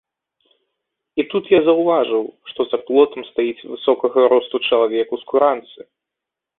І тут я заўважыў, што за плотам стаіць высокага росту чалавек у скуранцы.